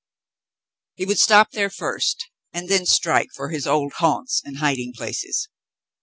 He would stop there first and then strike for his old haunts and hiding places.